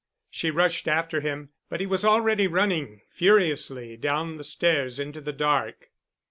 She rushed after him but he was already running furiously down the stairs into the dark.